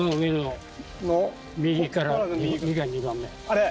あれ。